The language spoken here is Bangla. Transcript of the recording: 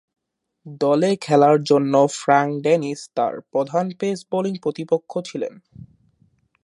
দলে খেলার জন্য ফ্রাঙ্ক ডেনিস তার প্রধান পেস বোলিং প্রতিপক্ষ ছিলেন।